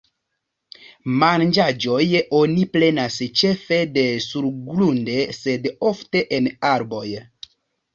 Manĝaĵojn oni prenas ĉefe de surgrunde sed ofte en arboj.